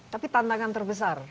tapi tantangan terbesar